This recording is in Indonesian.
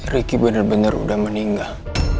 ricky bener bener udah meninggal